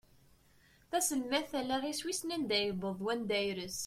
Taselmadt allaɣ-is wissen anda yewweḍ d wanda ires.